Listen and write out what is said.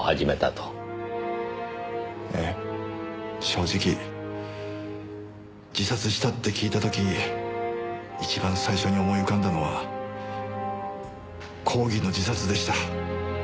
正直自殺したって聞いた時一番最初に思い浮かんだのは抗議の自殺でした。